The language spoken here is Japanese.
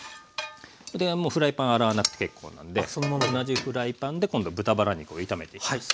でフライパン洗わなくて結構なんで同じフライパンで今度豚バラ肉を炒めていきます。